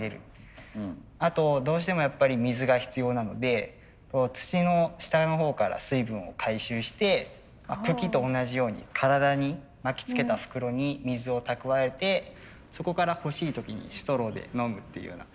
あとどうしてもやっぱり水が必要なので土の下のほうから水分を回収して茎と同じように体に巻きつけた袋に水を蓄えてそこから欲しい時にストローで飲むっていうような。